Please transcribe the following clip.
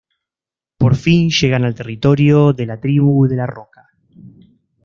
Por fin llegan al territorio de la Tribu de la Roca.